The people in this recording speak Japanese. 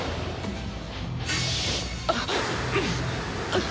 あっ！